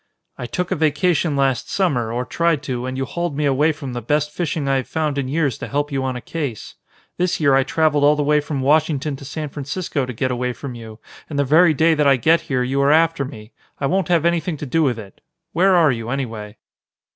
"I took a vacation last summer, or tried to, and you hauled me away from the best fishing I have found in years to help you on a case. This year I traveled all the way from Washington to San Francisco to get away from you and the very day that I get here you are after me. I won't have anything to do with it. Where are you, anyway?"